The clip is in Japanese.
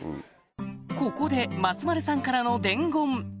ここで松丸さんからの伝言